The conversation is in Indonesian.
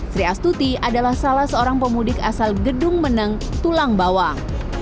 sri astuti adalah salah seorang pemudik asal gedung meneng tulang bawang